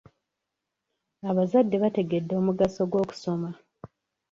Abazadde bategedde omugaso gw'okusoma.